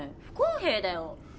不公平だよ。